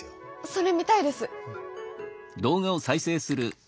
それ見たいです！